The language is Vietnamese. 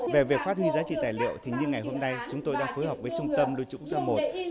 về việc phát huy giá trị tài liệu thì như ngày hôm nay chúng tôi đang phối hợp với trung tâm lưu trữ quốc gia i